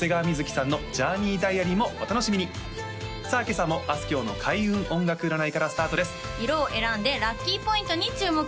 今朝もあすきょうの開運音楽占いからスタートです色を選んでラッキーポイントに注目！